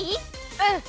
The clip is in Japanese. うん！